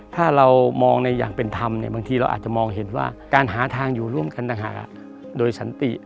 ถ้าเรามองในอย่างเป็นธรรมเนี่ยบางทีเราอาจจะมองเห็นว่าการหาทางอยู่ร่วมกันต่างหากโดยสันติ